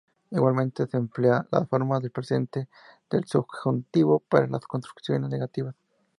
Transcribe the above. Igualmente, se emplea las formas del presente de subjuntivo para las construcciones negativas.